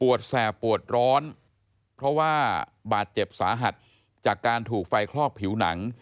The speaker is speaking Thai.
แสบปวดร้อนเพราะว่าบาดเจ็บสาหัสจากการถูกไฟคลอกผิวหนัง